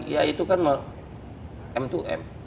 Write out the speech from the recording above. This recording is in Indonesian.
ya itu kan m dua m